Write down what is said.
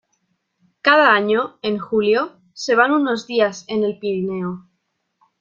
Cada año, en julio, se van unos días en el Pirineo.